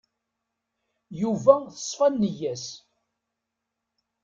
Yuba teṣfa nneyya-s.